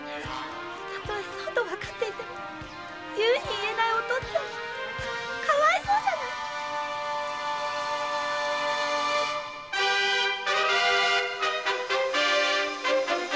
たとえそうとわかっていても言うに言えないお父っつぁんがかわいそうじゃないの！